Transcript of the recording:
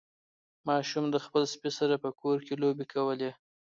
ماشوم د خپل سپي سره په کور کې لوبې کولې.